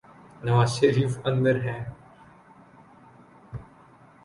نوازشریف اندر ہیں۔